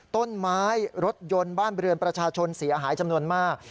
ต้นไม้รถยนต์บ้านเรือนประชาชนเสียหายจำนวนมาก